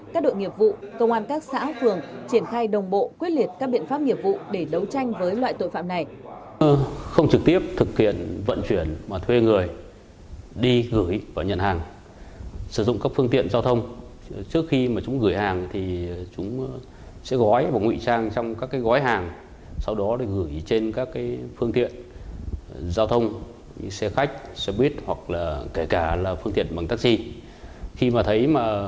các đội nghiệp vụ công an các xã phường triển khai đồng bộ quyết liệt các biện pháp nghiệp vụ để đấu tranh với loại tội phạm này